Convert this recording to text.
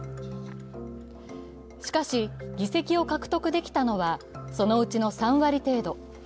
しかし、議席を獲得できたのはそのうちの３割程度。